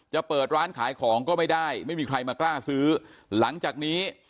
จะเปิดร้านขายของก็ไม่ได้ไม่มีใครมากล้าซื้อหลังจากนี้